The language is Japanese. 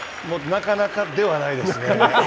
なかなかではないですね。